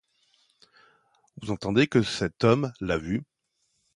Vous entendez que cet homme l’a vu.